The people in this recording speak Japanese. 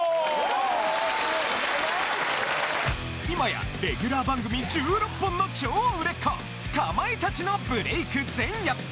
今やレギュラー番組１６本の超売れっ子かまいたちのブレイク前夜！